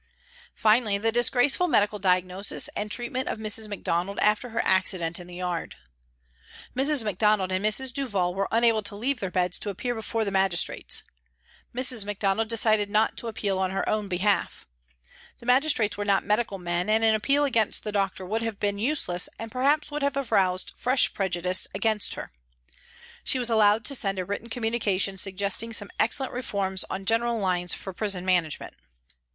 Finally, the disgraceful medical diagnosis and treatment of Mrs. Macdonald after her accident in the yard. Mrs. Macdonald and Mrs. Duval were unable to leave their beds to appear before the Magistrates. Mrs. Macdonald decided not to appeal on her own behalf. The Magistrates were not medical men and an appeal against the doctor would have been useless and perhaps would have aroused fresh prejudice against her. She was allowed to send a written communication suggesting some excellent reforms on general lines for prison management.